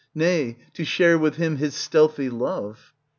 Nay, to share with him his stealthy love.